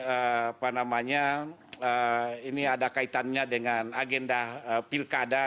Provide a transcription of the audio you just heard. apa namanya ini ada kaitannya dengan agenda pilkada